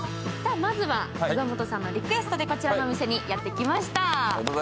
岩本さんのリクエストでこちらのお店にやってきました。